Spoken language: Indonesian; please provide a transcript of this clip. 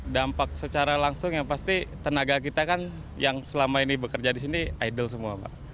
dampak secara langsung yang pasti tenaga kita kan yang selama ini bekerja di sini idle semua pak